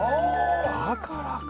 だからか。